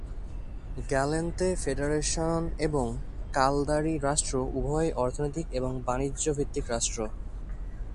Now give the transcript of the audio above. Gallente federation এবং Caldari রাষ্ট্র উভয়ই অর্থনৈতিক এবং বাণিজ্য ভিত্তিক রাষ্ট্র।